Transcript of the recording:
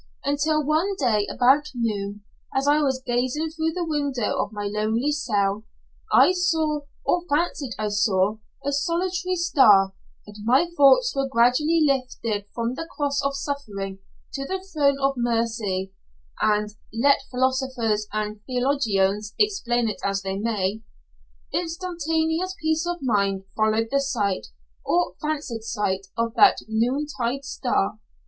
Until one day about noon, as I was gazing through the window of my lonely cell, I saw, or fancied I saw, a solitary star, and my thoughts were gradually lifted from the cross of suffering to the throne of Mercy, and (let philosophers and theologians explain it as they may) instantaneous peace of mind followed the sight, or fancied sight, of that noon tide star!